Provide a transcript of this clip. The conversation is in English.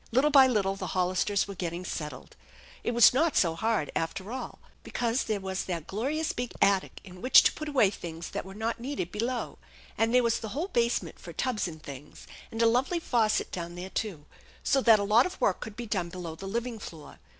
Little by little the Hollisters were getting settled. It was not so hard, after all, because there was that glorious big " attic " in which to put away things that were not needed below, and there was the whole basement for tubs and things, and a lovely faucet down there, too, so that a lot of work could be done below the living floor.